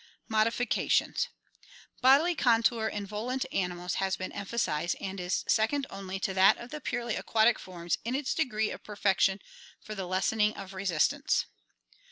Modifications Bodily contour in volant animals has been emphasized and is second only to that of the purely aquatic forms in its degree of perfection for the lessening of resistance.